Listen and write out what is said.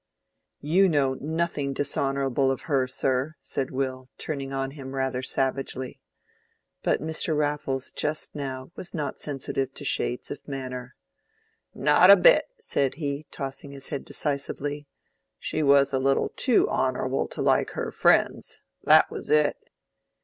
"You know nothing dishonorable of her, sir," said Will, turning on him rather savagely. But Mr. Raffles just now was not sensitive to shades of manner. "Not a bit!" said he, tossing his head decisively. "She was a little too honorable to like her friends—that was it!"